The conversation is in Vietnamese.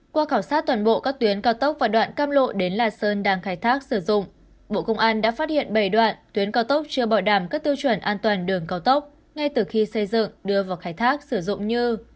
qua khảo sát toàn bộ các tuyến cao tốc và đoạn cam lộ đến lạt sơn đang khai thác sử dụng bộ công an đã phát hiện bảy đoạn tuyến cao tốc chưa bảo đảm các tiêu chuẩn an toàn đường cao tốc ngay từ khi xây dựng đưa vào khai thác sử dụng như